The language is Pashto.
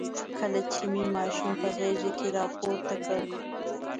کله چې مې ماشوم په غېږ کې راپورته کړ.